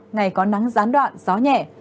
ngày có nắng gián đoạn gió nhẹ